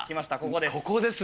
ここです。